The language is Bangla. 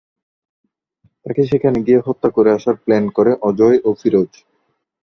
তাকে সেখানে গিয়ে হত্যা করে আসার প্ল্যান করে অজয় ও ফিরোজ।